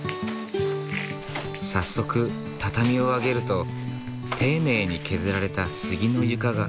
早速畳を上げると丁寧に削られた杉の床が。